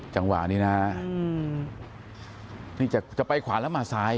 จังหวะนี้นะฮะนี่จะไปขวาแล้วมาซ้าย